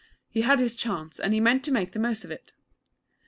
He had his chance, and he meant to make the most of it.